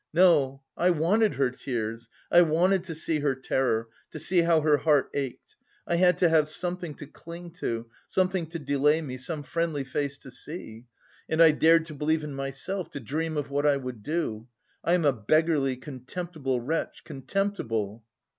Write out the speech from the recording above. No, I wanted her tears, I wanted to see her terror, to see how her heart ached! I had to have something to cling to, something to delay me, some friendly face to see! And I dared to believe in myself, to dream of what I would do! I am a beggarly contemptible wretch, contemptible!"